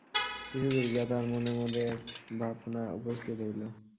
কিছুদূর গিয়া তাহার মনের মধ্যে এক ভাবনা উপস্থিত হইল।